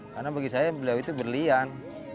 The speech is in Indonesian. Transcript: karena bagi saya beliau itu berlian